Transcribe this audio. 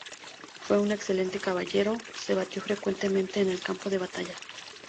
Fue un excelente caballero, se batió frecuentemente en el campo de batalla.